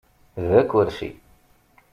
D akersi.